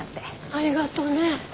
ありがとね。